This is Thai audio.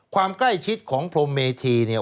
ความใกล้ชิดของพรมเมธีเนี่ย